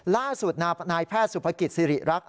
ล่าสุดนายแพทย์สุภกิจสิริรักษ์